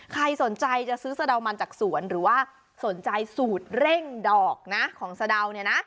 ใครสนใจจะซื้อสะดาวมันจากสวนหรือว่าสนใจสูตรเร่งดอกนะของสะดาวเนี่ยนะ